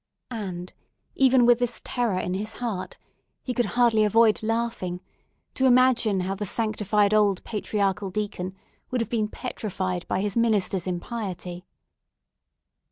And, even with this terror in his heart, he could hardly avoid laughing, to imagine how the sanctified old patriarchal deacon would have been petrified by his minister's impiety.